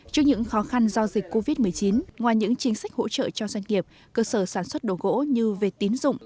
trước những khó khăn do dịch covid một mươi chín ngoài những chính sách hỗ trợ cho doanh nghiệp cơ sở sản xuất đồ gỗ như về tín dụng